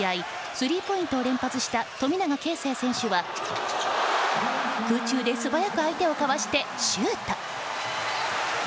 スリーポイントを連発した富永啓生選手は、空中で素早く相手をかわしてシュート。